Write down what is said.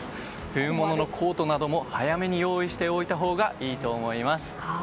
冬物のコートなども早めに用意しておいたほうがいいと思います。